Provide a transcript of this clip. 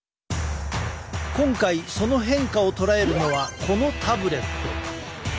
今回その変化を捉えるのはこのタブレット。